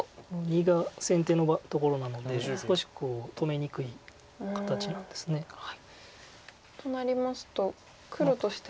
②が先手のところなので少し止めにくい形なんです。となりますと黒としても。